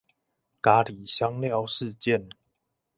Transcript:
咖哩香料事件